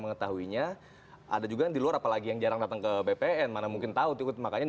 mengetahuinya ada juga yang di luar apalagi yang jarang datang ke bpn mana mungkin tahu ikut makanya